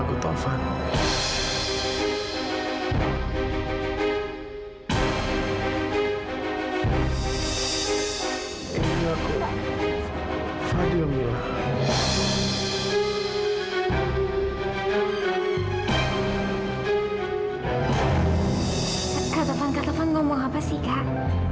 kak tovan kak tovan ngomong apa sih kak